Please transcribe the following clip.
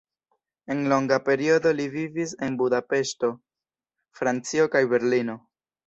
En longa periodo li vivis en Budapeŝto, Francio kaj Berlino.